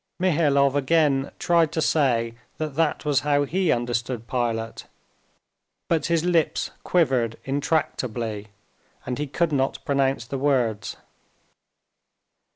Mihailov again tried to say that that was how he understood Pilate, but his lips quivered intractably, and he could not pronounce the words.